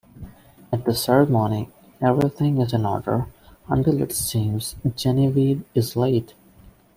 At the ceremony, everything is in order, until it seems Genevieve is late.